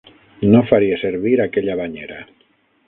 No faria servir aquella banyera.